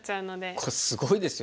これすごいですよ。